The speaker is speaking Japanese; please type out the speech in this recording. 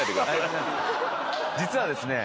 実はですね